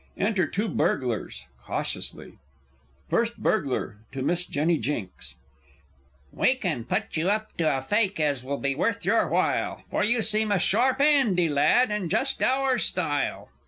Enter two Burglars, cautiously. First B. (to Miss J. J.) We can put you up to a fake as will be worth your while, For you seem a sharp, 'andy lad, and just our style!